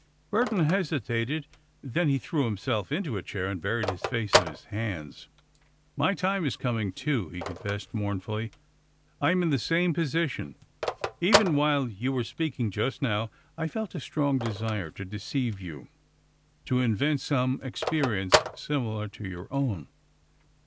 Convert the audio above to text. Burton hesitated. Then he threw himself into a chair and buried his face in his hands. "My time is coming, too!" he confessed mournfully. "I am in the same position. Even while you were speaking just now, I felt a strong desire to deceive you, to invent some experience similar to your own."